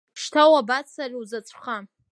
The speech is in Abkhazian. Шьҭа уабацари узаҵәха!